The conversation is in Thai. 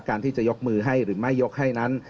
ที่จะยกมือให้หรือไม่ยกให้นั้น